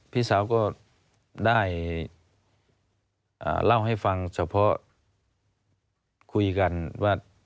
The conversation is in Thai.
พี่สาวก็ได้เล่าให้ฟังเฉพาะคุยกันว่า